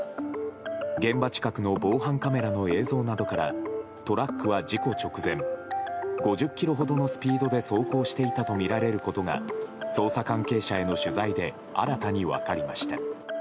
現場近くの防犯カメラの映像などからトラックは事故直前５０キロほどのスピードで走行していたとみられることが捜査関係者への取材で新たに分かりました。